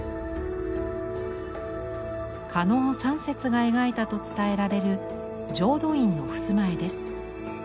狩野山雪が描いたと伝えられる浄土院のふすま絵です。